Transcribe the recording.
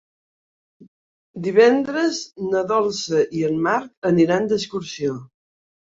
Divendres na Dolça i en Marc aniran d'excursió.